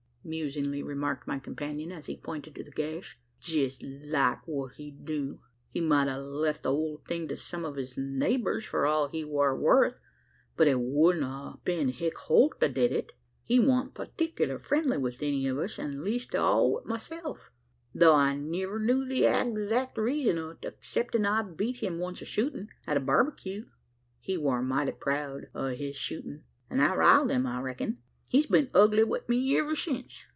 musingly remarked my companion as he pointed to the gash; "jest like what he'd do! He might a left the old thing to some o' his neighbours, for all he war worth; but it wudn't a been Hick Holt to a did it. He wan't partickler friendly wi' any o' us, an' least o' all wi' myself tho' I niver knew the adzact reezun o't, 'ceptin' that I beat him once shootin', at a barbecue. He war mighty proud a' his shootin', an' that riled him, I reck'n: he's been ugly wi' me iver since."